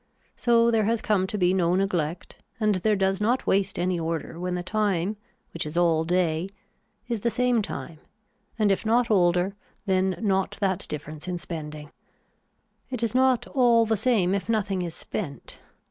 So there has come to be no neglect and there does not waste any order when the time which is all day is the same time and if not older then not that difference in spending. It is not all the same if nothing is spent.